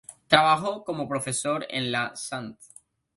Trabajó como profesor en la "St.